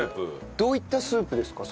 どういったスープですか？